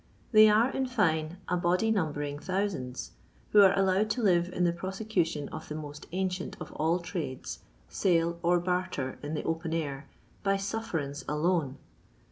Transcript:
They are, in fine, a body numbering thousands, who are allowed to live in the prosecution of the most ancient of all trades, sale or barter in the open air, by sufferance alone.